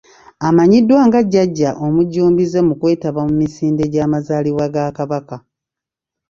Amanyiddwa nga Jjajja omujjumbize mu kwetaba mu misinde gyamazaalibwa ga Kabaka.